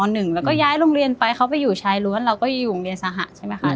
แล้วก็ย้ายโรงเรียนไปเขาไปอยู่ชายล้วนเราก็อยู่โรงเรียนสหะใช่ไหมคะ